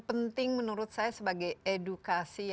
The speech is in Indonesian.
penting menurut saya sebagai edukasi